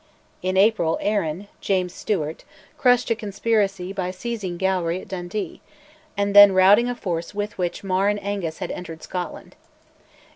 In April, Arran (James Stewart) crushed a conspiracy by seizing Gowrie at Dundee, and then routing a force with which Mar and Angus had entered Scotland.